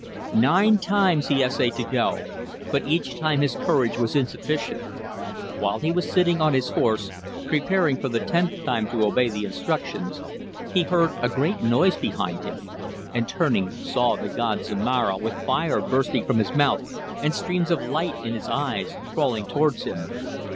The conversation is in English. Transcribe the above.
"Nine times he essayed to go, but each time his courage was insufficient. While he was sitting on his horse, preparing for the tenth time to obey the instructions, he heard a great noise behind him, and turning, saw the god Zomara with fire bursting from his mouth and streams of light in his eyes, crawling towards him.